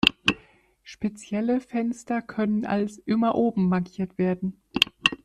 Spezielle Fenster können als „immer oben“ markiert werden.